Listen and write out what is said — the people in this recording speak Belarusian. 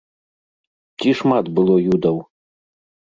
Ці шмат было юдаў?